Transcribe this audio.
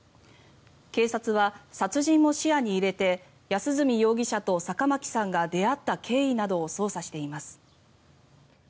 警察は殺人も視野に入れて安栖容疑者と坂巻さんが出会った経緯などを捜査しています。